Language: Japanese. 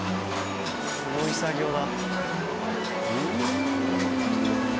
すごい作業だ。